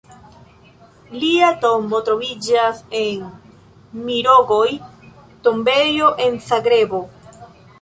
Lia tombo troviĝas en Mirogoj-tombejo en Zagrebo.